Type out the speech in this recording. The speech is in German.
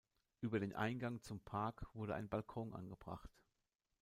Über den Eingang zum Park wurde ein Balkon angebracht.